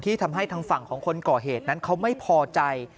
ทำให้ทางฝั่งของคนก่อเหตุนั้นเขาไม่พอใจ